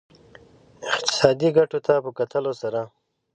اقتصادي ګټو ته په کتلو سره.